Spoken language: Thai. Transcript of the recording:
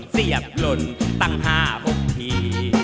เสียบหล่นตั้ง๕๖ที